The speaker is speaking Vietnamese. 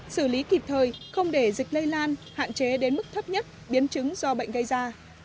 xử lý kịp thời không để dịch lây lan hạn chế đến mức thấp nhất biến chứng do bệnh gây ra